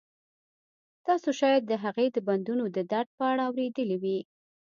تاسو شاید د هغې د بندونو د درد په اړه اوریدلي وي